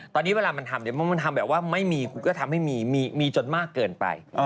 ตอนนี้เวลามันทำมันทำแบบว่าไม่มีคุณก็ทำให้มีจนมากเกินไป